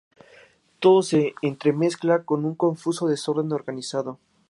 Todo se entremezcla en un confuso desorden organizado.